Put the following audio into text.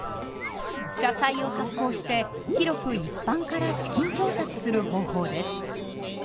社債を発行して広く一般から資金調達する方法です。